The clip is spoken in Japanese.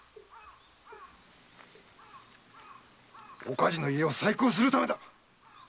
岡地の家を再興するためだ！